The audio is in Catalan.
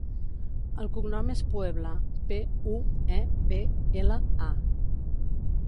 El cognom és Puebla: pe, u, e, be, ela, a.